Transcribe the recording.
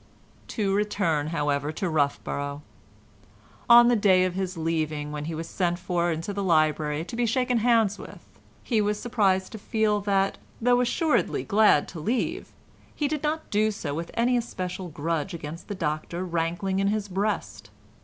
To return, however, to Roughborough. On the day of his leaving, when he was sent for into the library to be shaken hands with, he was surprised to feel that, though assuredly glad to leave, he did not do so with any especial grudge against the Doctor rankling in his breast.